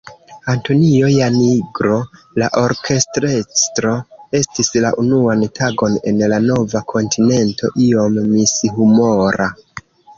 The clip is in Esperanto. Antonio Janigro, la orkestrestro, estis la unuan tagon en la nova kontinento iom mishumora.